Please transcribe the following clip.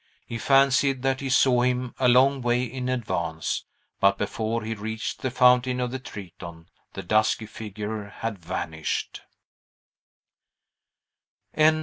He fancied that he saw him a long way in advance, but before he reached the Fountain of the Triton the dusky figure had vanished.